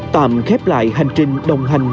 tạm khép lại hành trình đồng hành